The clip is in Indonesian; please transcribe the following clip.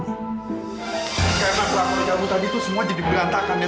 karena perangkat kamu tadi tuh semua jadi perantakan ya